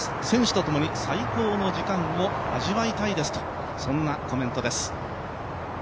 選手たちとともに最高の時間を味わいたいとそんなコメントです。